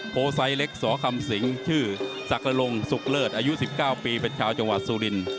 โพไซเร็กสอคำศิงชื่อสัการงสุกเลิศอายุสิบเก้าปีเป็นชาวจังหวัดซุริน